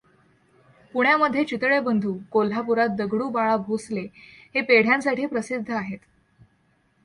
पुण्यामधे चितळे बंधू, कोल्हापुरात दगडू बाळा भोसले हे पेढ्यांसाठी प्रसिद्ध आहेत.